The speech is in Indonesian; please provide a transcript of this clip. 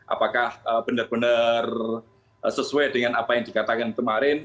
apakah benar benar sesuai dengan apa yang dikatakan kemarin